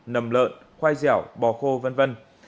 nầm lợn khoai dẻo bò khô v v